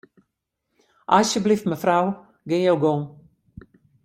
Asjebleaft mefrou, gean jo gong.